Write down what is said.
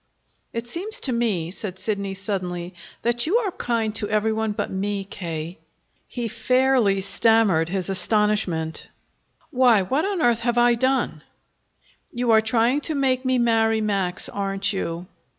"It seems to me," said Sidney suddenly, "that you are kind to every one but me, K." He fairly stammered his astonishment: "Why, what on earth have I done?" "You are trying to make me marry Max, aren't you?"